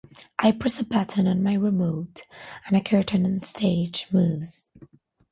I press a button on my remote and a curtain onstage moves.